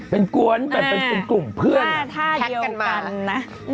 เป็นกวนแต่เป็นกลุ่มเพื่อนเดียวกันนะ